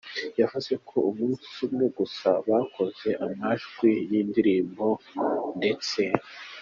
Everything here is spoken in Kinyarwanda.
Yavuze ko umunsi umwe gusa bakoze amajwi y’iyi ndirimbo ndetse